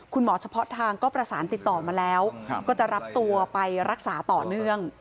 คุณหมอเฉพาะทางก็ประสานติดต่อมาแล้วก็จะรับตัวไปรักษาต่อเนื่อง